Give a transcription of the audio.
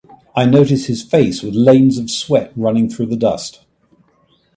I notice his face with lanes of sweat running through the dust.